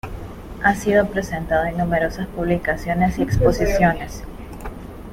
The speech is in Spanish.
Ha sido presentado en numerosas publicaciones y exposiciones.